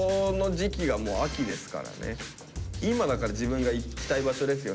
今だから自分が行きたい場所ですよ。